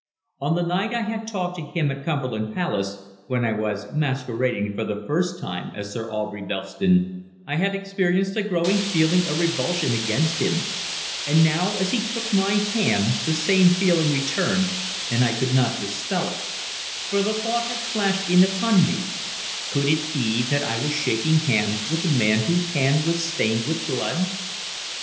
On the night I had talked to him at Cumberland Place, when I was masquerading for the first time as Sir Aubrey Belston, I had experienced a growing feeling of revulsion against him, and now as he took my hand the same feeling returned and I could not dispel it, for the thought had flashed in upon me: could it be that I was shaking hands with a man whose hand was stained with blood?